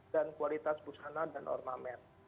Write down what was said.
dan kualitas busana dan ornamen